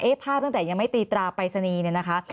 เอ๊ะภาพตั้งแต่ยังไม่ตีตราไปสนีเนี่ยนะคะ